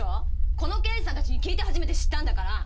この刑事さんたちに聞いて初めて知ったんだから！